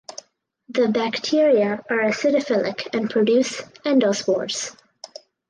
The bacteria are acidophilic and produce endospores.